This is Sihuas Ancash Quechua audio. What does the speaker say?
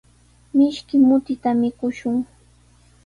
Mishki mutita mikushun.